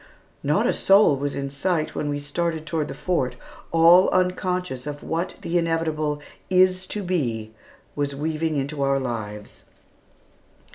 Not a soul was in sight when we started toward the Fort, all unconscious of what the inevitable "is to be" was weaving into our lives.